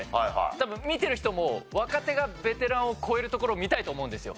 多分見てる人も若手がベテランを越えるところを見たいと思うんですよ。